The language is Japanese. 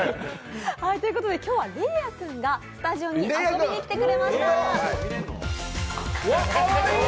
今日はレイアくんがスタジオに遊びに来てくれました。